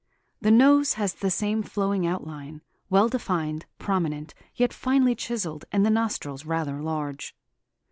The nose has the same flowing outline, well defined, prominent, yet finely chiselled, and the nostrils rather large.